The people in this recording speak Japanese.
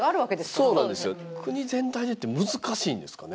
国全体でって難しいんですかね、こういうの。